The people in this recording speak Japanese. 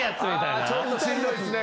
ちょっとしんどいっすね。